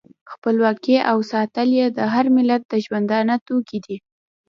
خپلواکي او ساتل یې د هر ملت د ژوندانه توکی دی.